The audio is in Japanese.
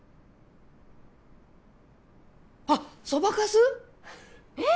あそばかす？えっ！？